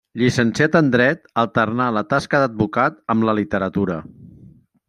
Llicenciat en dret, alternà la tasca d'advocat amb la literatura.